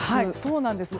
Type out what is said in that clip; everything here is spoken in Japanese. そうなんです。